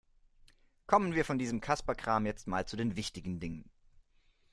Kommen wir von diesem Kasperkram jetzt mal zu den wichtigen Dingen.